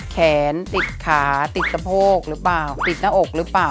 ติดขาติดสะโพกหรือเปล่าติดหน้าอกหรือเปล่า